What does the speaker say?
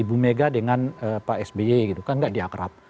ibu mega dengan pak sby gitu kan nggak diakrab